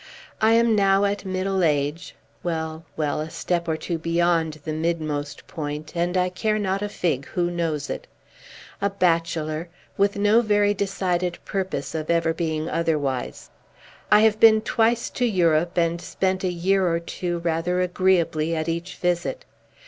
I am now at middle age, well, well, a step or two beyond the midmost point, and I care not a fig who knows it! a bachelor, with no very decided purpose of ever being otherwise. I have been twice to Europe, and spent a year or two rather agreeably at each visit.